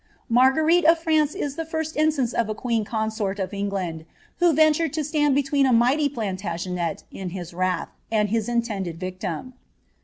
Marguerite of France is the first instance of a queen consort of Eng land, who ventured to stand between a mighty Plantagenet in hui wrath, and his intended victim.